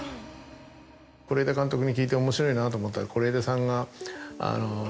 是枝監督に聞いて面白いなと思ったのは是枝さんが。